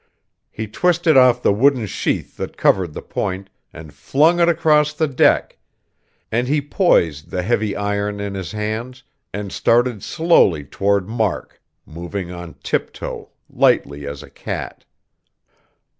He twisted off the wooden sheath that covered the point, and flung it across the deck; and he poised the heavy iron in his hands, and started slowly toward Mark, moving on tiptoe, lightly as a cat.